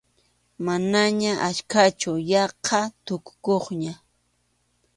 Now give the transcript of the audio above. Manaña achkachu, yaqa tukukuqña.